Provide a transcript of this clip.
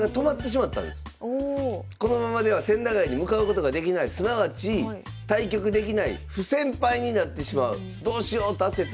このままでは千駄ヶ谷に向かうことができないすなわち対局できない不戦敗になってしまうどうしようと焦った大地先生